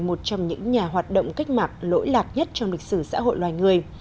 một trong những nhà hoạt động cách mạng lỗi lạc nhất trong lịch sử xã hội loài người